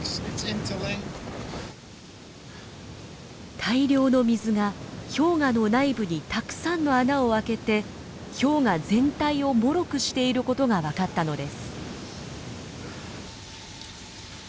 大量の水が氷河の内部にたくさんの穴を開けて氷河全体をもろくしていることが分かったのです。